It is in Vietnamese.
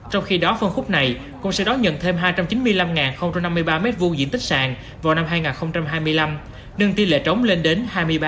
trong khi đó phân khúc này cũng sẽ đón nhận thêm hai trăm chín mươi năm năm mươi ba m hai diện tích sàn vào năm hai nghìn hai mươi năm nâng tỷ lệ trống lên đến hai mươi ba